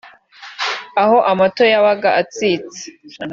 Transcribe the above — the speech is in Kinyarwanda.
aho amato yabaga atsitse